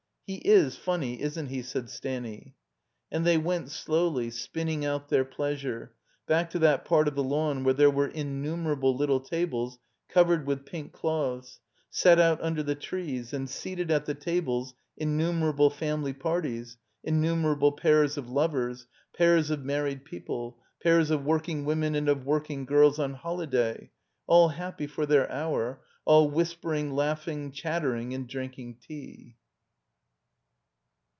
"He w fimny, isn't he?" said Stanny. And they went slowly, spinning out their pleasure, back to that part of the lawn where there were in numerable little tables covered with pink cloths, set out under the trees, and seated at the tables innu merable family parties, inniunerable pairs of lovers, pairs of married people, pairs of working women and of working girls on holiday; all happy for their hotu , all whispering, laughing, chattering, and drinking tea.